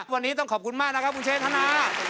วันนี้ต้องขอบคุณมากนะครับคุณเชธนา